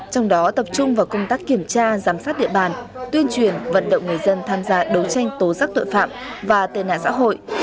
trong đó tập trung vào công tác kiểm tra giám sát địa bàn tuyên truyền vận động người dân tham gia đấu tranh tố giác tội phạm và tên nạn xã hội